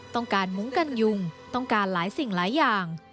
ต้องการมุ้งกันยุงต้องการหลายสิ่งหลายอย่าง